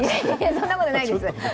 そんなことないです。